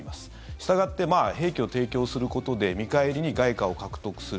したがって兵器を提供することで見返りに外貨を獲得する。